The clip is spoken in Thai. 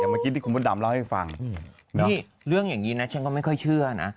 นี่เรื่องอย่างนี้นะฉันก็ไม่ค่อยเชื่อนะ